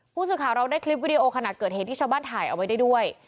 ผู้สื่อข่าวเราได้คลิปวิดีโอขณะเกิดเหตุที่ชาวบ้านถ่ายเอาไว้ได้ด้วย